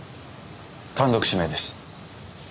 単独指名です。